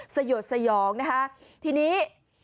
สยดสยองนะคะทีนี้